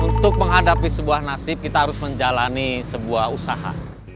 untuk menghadapi sebuah nasib kita harus menjalani sebuah usaha